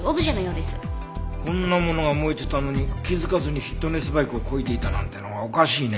こんなものが燃えてたのに気づかずにフィットネスバイクをこいでいたなんてのはおかしいね。